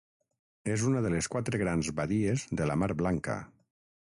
És una de les quatre grans badies de la Mar Blanca.